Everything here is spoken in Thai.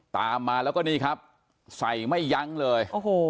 ตามมาแล้วก็นี่ครับใส่ไม่ยั้งเลยโอ้โห